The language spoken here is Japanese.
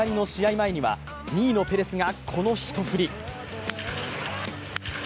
前には、２位のペレスがこの１振り。